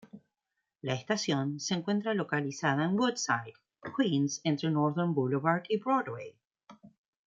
La estación se encuentra localizada en Woodside, Queens entre Northern Boulevard y Broadway.